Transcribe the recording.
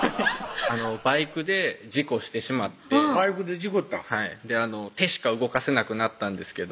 バイクで事故してしまってバイクで事故ったんはい手しか動かせなくなったんですけど